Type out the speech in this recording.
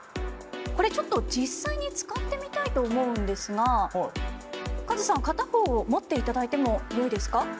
これちょっと実際に使ってみたいと思うんですがカズさん片方を持っていただいてもよいですか？